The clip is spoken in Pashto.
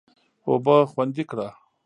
اوبه خوندي کړه.